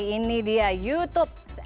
ini dia youtube